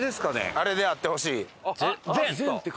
あれであってほしい。